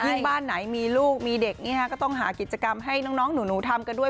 บ้านไหนมีลูกมีเด็กก็ต้องหากิจกรรมให้น้องหนูทำกันด้วย